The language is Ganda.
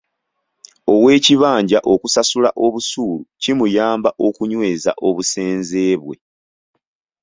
Ow'ekibanja okusasula obusuulu kimuyamba okunyweza obusenze bwe.